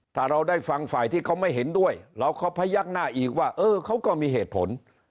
ถ้าเราได้ฟังฝ่ายที่เขาไม่เห็นด้วยเราก็พยักหน้าอีกว่าเออเขาก็มีเหตุผล